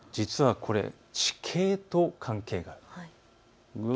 これは地形と関係がある。